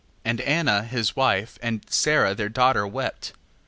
7:8. And Anna his wife, and Sara their daughter wept.